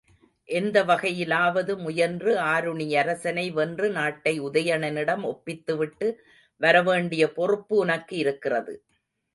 எந்த வகையிலாவது முயன்று ஆருணியரசனை வென்று நாட்டை உதயணனிடம் ஒப்பித்துவிட்டு வரவேண்டிய பொறுப்பு உனக்கு இருக்கிறது.